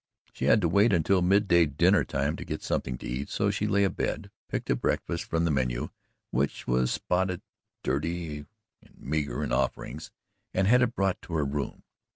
She had to wait until mid day dinner time for something to eat, so she lay abed, picked a breakfast from the menu, which was spotted, dirty and meagre in offerings, and had it brought to her room.